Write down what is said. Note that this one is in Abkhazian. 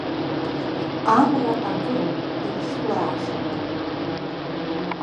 Амра акыр илхьылаахьан.